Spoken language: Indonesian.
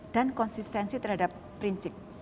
dan konsistensi terhadap prinsip